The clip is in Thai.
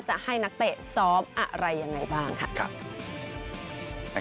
จะให้นักเตะซ้อมอะไรอย่างไรบ้าง